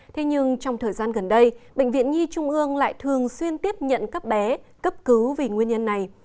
thế nhưng trong thời gian gần đây bệnh viện nhi trung ương lại thường xuyên tiếp nhận các bé cấp cứu vì nguyên nhân này